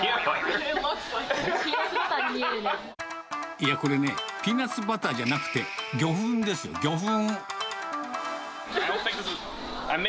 いや、これね、ピーナツバターじゃなくて、魚粉ですよ、魚粉。